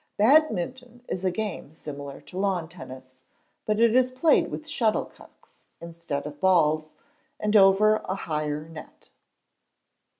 Badminton is a game similar to Lawn Tennis, but it is played with shuttlecocks instead of balls, and over a higher net.